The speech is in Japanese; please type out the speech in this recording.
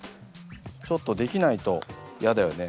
ちょっとできないと嫌だよね。